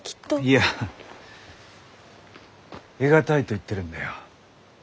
いや得難いと言ってるんだよ。